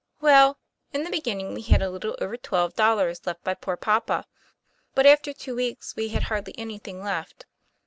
Well, in the beginning we had a little over twelve dollars left by poor papa. But after two weeks we had hardly anything left.